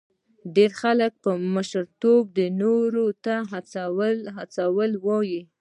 ډېر خلک مشرتوب نورو ته هڅونه وایي.